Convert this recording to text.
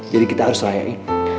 jadi kita harus rayai